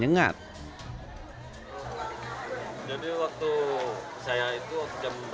ketika petir dikitar petir dikitar